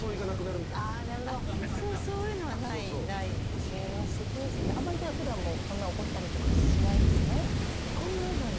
すてきですねあんまりじゃあ普段もそんな怒ったりとかしないんですね。